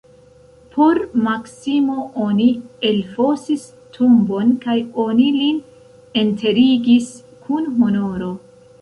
Por Maksimo oni elfosis tombon kaj oni lin enterigis kun honoro.